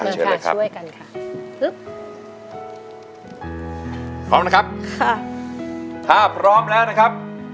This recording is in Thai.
มาค่ะช่วยกันค่ะฮึบพร้อมนะครับค่ะถ้าพร้อมแล้วนะครับ